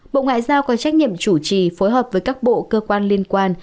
bộ ngoại giao có trách nhiệm chủ trì phối hợp với các bộ cơ quan liên quan